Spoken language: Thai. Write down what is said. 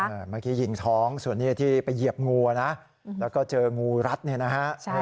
เมื่อกี้ยิงท้องส่วนนี้ที่ไปเหยียบงูนะแล้วก็เจองูรัดเนี่ยนะฮะ